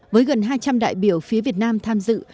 với gần hai trăm linh đại biểu phía việt nam tham dự